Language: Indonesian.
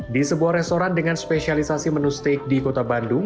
di sebuah restoran dengan spesialisasi menu steak di kota bandung